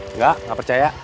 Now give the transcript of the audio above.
enggak gak percaya